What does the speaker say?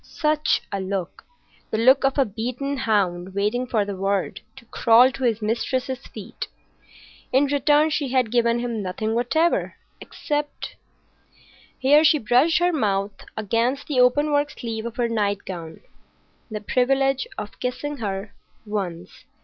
Such a look! The look of a beaten hound waiting for the word to crawl to his mistress's feet. In return she had given him nothing whatever, except—here she brushed her mouth against the open work sleeve of her nightgown—the privilege of kissing her once.